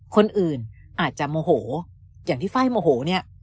คนอื่นอาจจะโมโหอย่างที่ไฟล์โมโหเนี่ย